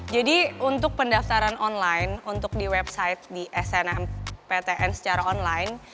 jadi untuk pendaftaran online untuk di website di snmptn secara online